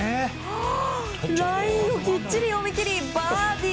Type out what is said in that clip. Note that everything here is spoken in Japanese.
ラインをきっちり読み切りバーディー。